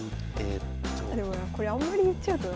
でもなこれあんまり言っちゃうとな。